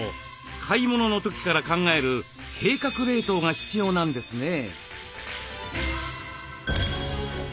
買い物の時から考える「計画冷凍」が必要なんですね。